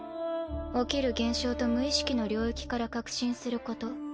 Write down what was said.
起きる現象と無意識の領域から確信すること。